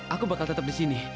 aku bakal tetap di sini